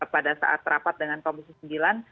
pada saat rapat dengan komisi sembilan